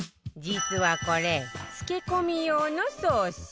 実はこれ漬け込み用のソース